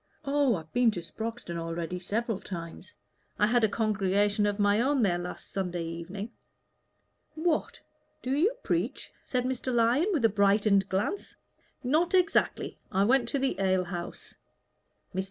"Oh, I've been to Sproxton already several times. I had a congregation of my own there last Sunday evening." "What! do you preach?" said Mr. Lyon, with brightened glance. "Not exactly. I went to the ale house." Mr.